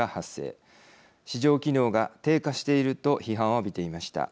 市場機能が低下していると批判を浴びていました。